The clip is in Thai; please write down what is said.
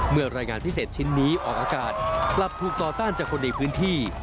รายงานพิเศษชิ้นนี้ออกอากาศกลับถูกต่อต้านจากคนในพื้นที่